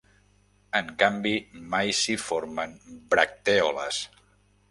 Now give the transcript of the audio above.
En canvi, mai s'hi formen bractèoles.